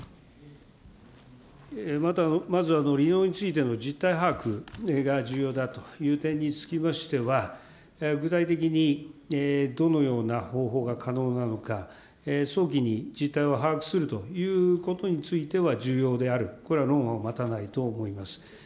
まず離農についての実態把握が重要だという点につきましては、具体的にどのような方法が可能なのか、早期に実態を把握するということについては重要である、これは論を待たないと思います。